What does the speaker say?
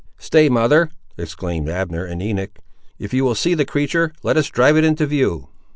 "Stay, mother," exclaimed Abner and Enoch; "if you will see the creatur', let us drive it into view."